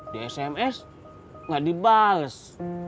di sms nggak dibalas